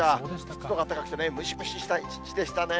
湿度が高くて、ムシムシした一日でしたね。